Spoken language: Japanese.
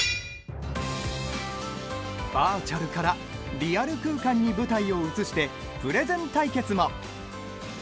バーチャルからリアル空間に舞台を移してプレゼン対決も。